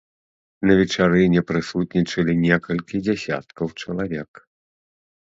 На вечарыне прысутнічалі некалькі дзесяткаў чалавек.